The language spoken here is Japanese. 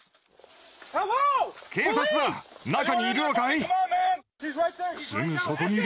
警察だ、中にいるのかい？